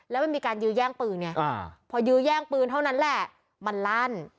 แล้วมันมีการยื้อแย่งปืนไงพอยื้อแย่งปืนเท่านั้นแหละมันลั่น